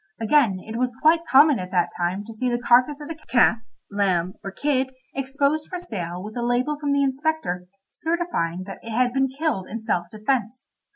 Again, it was quite common at that time to see the carcase of a calf, lamb, or kid exposed for sale with a label from the inspector certifying that it had been killed in self defence.